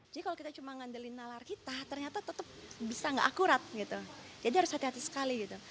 tetap bisa tidak akurat jadi harus hati hati sekali